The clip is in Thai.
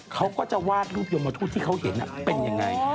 เขาก็จะวาดรูปยมทูตที่เขาเห็นเป็นยังไง